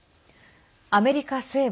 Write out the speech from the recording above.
アメリカ西部